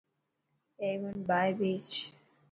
هيڪ منٽ ٻاهر ڀيچ.